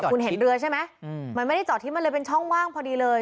คุณเห็นเรือใช่ไหมมันไม่ได้จอดที่มันเลยเป็นช่องว่างพอดีเลย